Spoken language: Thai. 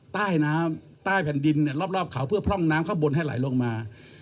ใต้น้ำใต้แผ่นดินเนี่ยรอบเขาเพื่อพร่องน้ำข้างบนให้ไหลลงมา